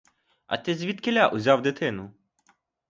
А ти звідкіля узяв дитину?